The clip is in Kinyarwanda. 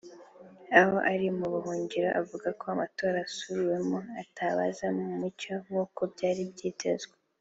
aho ari mu buhungiro avuga ko amatora asubiwemo atazaba mu mucyo nkuko byari byitezwe